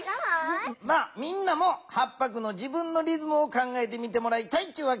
みんなも８ぱくの自分のリズムを考えてみてもらいたいっちゅうわけや。